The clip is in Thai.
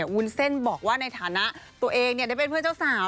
วุ้นเส้นบอกว่าในฐานะตัวเองได้เป็นเพื่อนเจ้าสาว